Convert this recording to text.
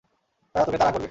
তারা তোকে তাড়া করবে।